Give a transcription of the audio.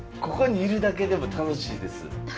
ここにいるだけでも楽しいです。